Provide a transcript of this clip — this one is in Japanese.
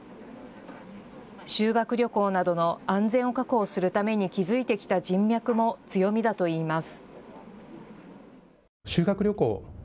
修学旅行などの安全を確保するために築いてきた人脈も強みだといいます。